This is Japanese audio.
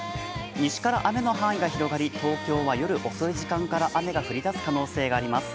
西から雨の範囲が広がり、東京は夜遅い時間が雨が降り出すおそれがあります。